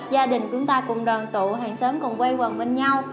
gia đình chúng ta cùng đoàn tụ hàng sớm cùng quay quần bên nhau